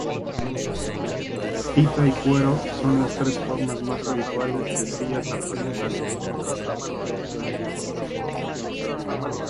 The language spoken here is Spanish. Anea, pita y cuero son las tres formas más habituales de sillas artesanales.